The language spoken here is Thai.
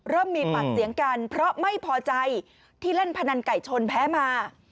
เริ่มมีปากเสียงกันเพราะไม่พอใจที่เล่นพนันไก่ชนแพ้มา